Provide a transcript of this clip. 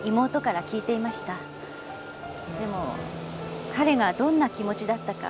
でも彼がどんな気持ちだったか